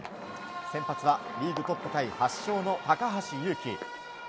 先発はリーグトップタイ８勝の高橋優貴。